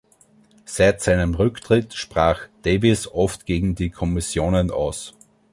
Seit seinem Rücktritt sprach Davis oft gegen die Kommissionen aus.